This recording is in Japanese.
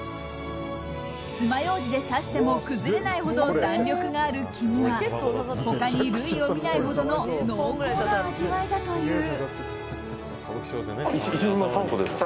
つまようじで刺しても崩れないほど弾力がある黄身は他に類を見ないほどの濃厚な味わいだという。